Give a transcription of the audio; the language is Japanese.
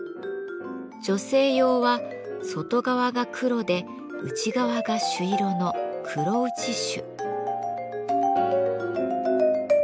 女性用は外側が黒で内側が朱色の黒内朱。